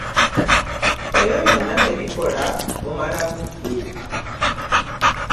Ebyo byonna tebikola mumala budde.